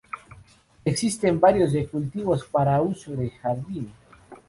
Existen varios cultivos para uso de jardín.